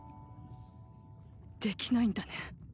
できないんだね。